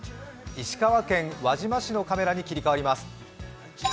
石川県輪島市のカメラに切り替わります。